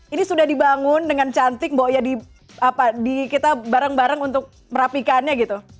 ini sudah dibangun dengan cantik bahwa ya kita bareng bareng untuk merapikannya gitu